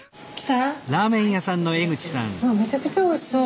うわめちゃくちゃおいしそう。